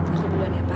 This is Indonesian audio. aku duluan ya pak